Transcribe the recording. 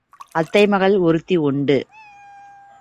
அத்தை மகள் ஒருத்தி உண்டு.